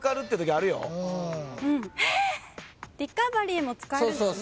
リカバリーも使えるんですよね？